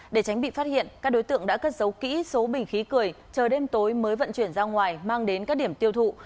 để tránh bị phát hiện các đối tượng đã cất giấu kỹ số bình khí cười chờ đêm tối mới vận chuyển ra ngoài mang đến các điểm tiêu thụ